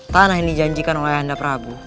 tanah yang dijanjikan oleh anda prabu